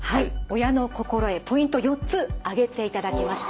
親の心得ポイント４つ挙げていただきました。